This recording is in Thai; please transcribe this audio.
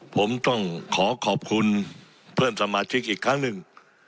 ผมต้องขอขอบคุณเพื่อนสมาชิกอีกครั้งหนึ่ง